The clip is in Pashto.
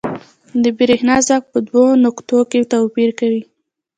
د برېښنا ځواک په دوو نقطو کې توپیر کوي.